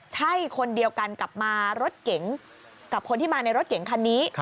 ใช่คนเดียวกันกับคนที่มาในรถเก๋งคันนี้